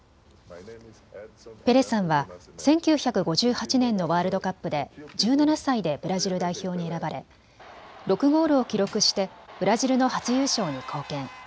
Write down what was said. ペレさんは１９５８年のワールドカップで１７歳でブラジル代表に選ばれ６ゴールを記録してブラジルの初優勝に貢献。